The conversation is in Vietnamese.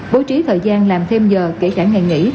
bố trí thời gian làm thêm giờ kể cả ngày nghỉ